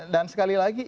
dan sekali lagi